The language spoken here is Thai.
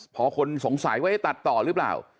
พอคนสงสัยว่าตัดต่อหรือเปล่า